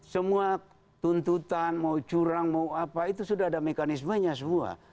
semua tuntutan mau curang mau apa itu sudah ada mekanismenya semua